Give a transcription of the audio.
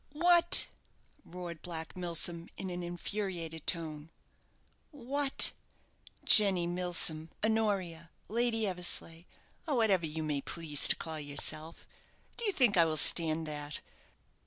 "What!" roared Black Milsom, in an infuriated tone. "What, Jenny Milsom, Honoria, Lady Eversleigh, or whatever you may please to call yourself, do you think I will stand that?